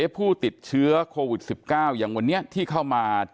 ผู้ติดเชื้อโควิด๑๙อย่างวันนี้ที่เข้ามา